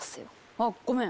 あっごめん。